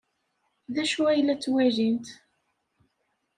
D acu ay la ttwalint?